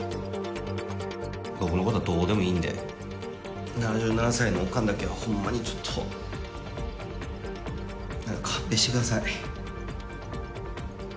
僕のことどうでもいいんで、７７歳のオカンだけはほんまにちょっと勘弁してください。